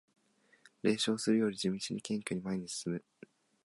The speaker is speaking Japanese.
冷笑するより地道に謙虚に前に進む